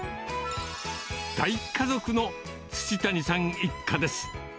大家族の土谷さん一家です。